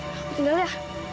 aku tinggal ya